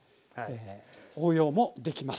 応用もできます。